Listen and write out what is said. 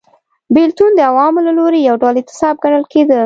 بېلتون د عوامو له لوري یو ډول اعتصاب ګڼل کېده